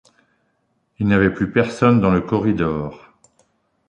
Il n’y avait plus personne dans le corridor.